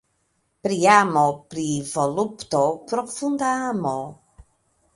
Pri amo, pri volupto. Profunda amo.